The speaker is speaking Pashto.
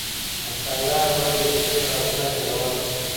افسانه: روې د شپې غاښونه تېرول.